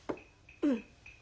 うん。